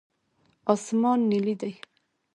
اسمان نیلي دی.